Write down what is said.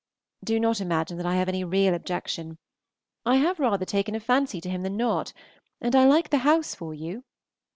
Do not imagine that I have any real objection; I have rather taken a fancy to him than not, and I like the house for you.